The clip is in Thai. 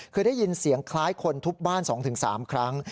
คือได้ยินเสียงคล้ายคนทุบบ้าน๒๓ครั้ง